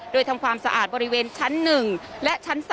โดยทำความสะอาดบริเวณชั้น๑และชั้น๓